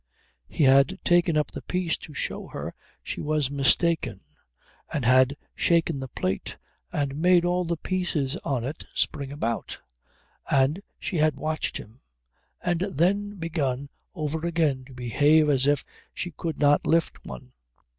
He had taken up the piece to show her she was mistaken, and had shaken the plate and made all the pieces on it spring about, and she had watched him and then begun over again to behave as if she could not lift one.